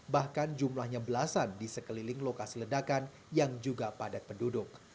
bahkan jumlahnya belasan di sekeliling lokasi ledakan yang juga padat penduduk